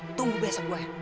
lu tunggu besok gue